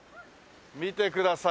見てくださいよ。